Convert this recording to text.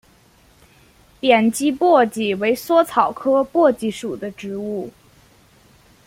扁基荸荠为莎草科荸荠属的植物。